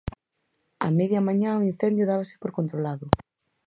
A media mañá o incendio dábase por controlado.